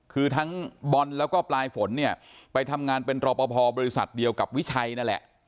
คือทั้งบอลแล้วก็ปลายฝนเนี่ยไปทำงานเป็นรอปภบริษัทเดียวกับวิชัยนั่นแหละ